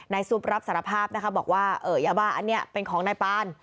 ซุปรับสารภาพนะคะบอกว่ายาบ้าอันนี้เป็นของนายปาน